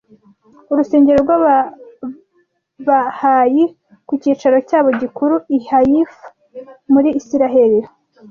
Urusengero rw’Ababahayi ku cyicaro cyabo gikuru i Haifa muri Isirayeli